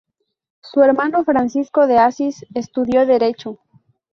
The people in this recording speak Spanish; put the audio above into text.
Su hermano Francisco de Asís estudió Derecho.